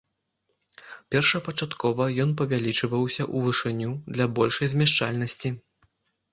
Першапачаткова ён павялічваўся ў вышыню, для большай змяшчальнасці.